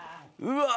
うわ！